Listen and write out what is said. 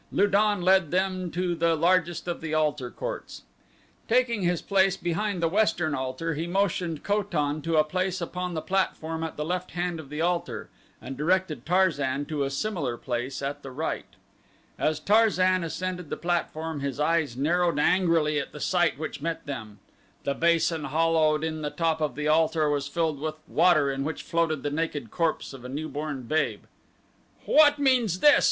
Lu don led them to the largest of the altar courts. Taking his place behind the western altar he motioned Ko tan to a place upon the platform at the left hand of the altar and directed Tarzan to a similar place at the right. As Tarzan ascended the platform his eyes narrowed angrily at the sight which met them. The basin hollowed in the top of the altar was filled with water in which floated the naked corpse of a new born babe. "What means this?"